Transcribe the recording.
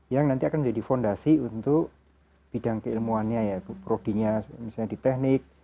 yang nanti akan menjadi fondasi untuk bidang keilmuannya ya prodinya misalnya di teknik